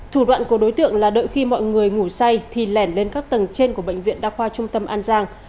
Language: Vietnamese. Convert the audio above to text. thủ đoạn của đối tượng là đợi khi mọi người ngủ say thì lẻn lên các tầng trên của bệnh viện đa khoa trung tâm an giang